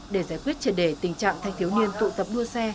để giải quyết triệt đề tình trạng thanh thiếu niên tụ tập đua xe